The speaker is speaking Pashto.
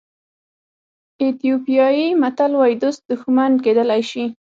ایتیوپیایي متل وایي دوست دښمن کېدلی شي.